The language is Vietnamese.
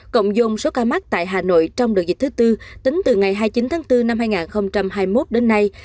cộng dông số ca mắc tại hà nội trong đợt dịch thứ tư tính từ ngày hai mươi chín tháng bốn năm hai nghìn hai mươi một đến nay